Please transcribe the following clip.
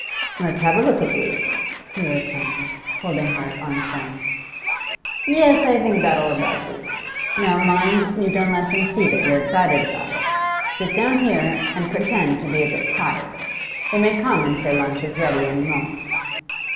'Let's have a look at you,' he returned, holding her at arm's length. 'Yes, I think that'll about do. Now mind you don't let them see that you're excited about it. Sit down here and pretend to be a bit tired. They may come and say lunch is ready any moment.